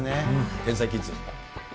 天才キッズ。